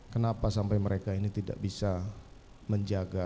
kenapa sampai mereka ini tidak bisa menjaga